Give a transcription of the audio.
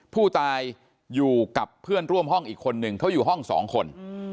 ผู้ตายอยู่กับเพื่อนร่วมห้องอีกคนนึงเขาอยู่ห้องสองคน